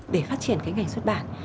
để phát triển cái ngành xuất bản